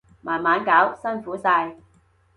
慢慢搞，辛苦晒